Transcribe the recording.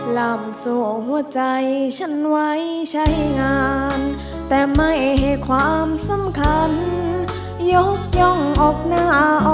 ลำสู่หัวใจฉันไว้ใช้งานแต่ไม่ให้ความสำคัญยกย่องออกหน้า